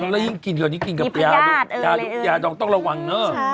แล้วยิ่งกินกับพญาติลูกยาต้องระวังเนอะ